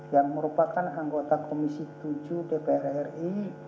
yang merupakan anggota komisi tujuh dpr ri